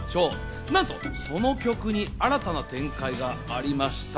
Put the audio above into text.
なんとその曲に新たな展開がありました。